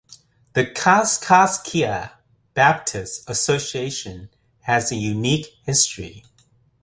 The Kaskaskia Baptist Association has a unique history.